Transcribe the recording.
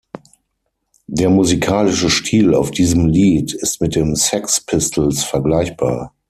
Der musikalische Stil auf diesem Lied ist mit den Sex Pistols vergleichbar.